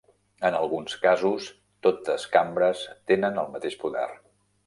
En alguns casos totes cambres tenen el mateix poder.